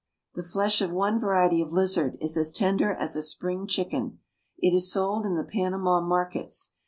The flesh of one variety of lizard is as tender as a spring chicken. It is sold in the Panama markets.